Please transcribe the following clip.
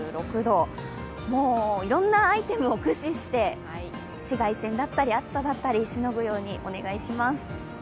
もういろんなアイテムを駆使して紫外線だったり暑さだったり、しのぐようにお願いします。